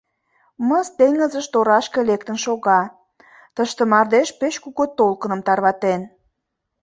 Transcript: Мыс теҥызыш торашке лектын шога: тыште мардеж пеш кугу толкыным тарватен.